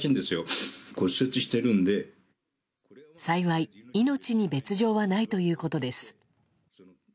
幸い、命に別条はないということです。